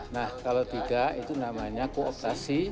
nah kalau tidak itu namanya kooptasi